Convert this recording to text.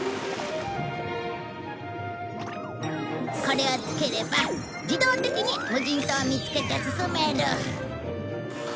これをつければ自動的に無人島を見つけて進める。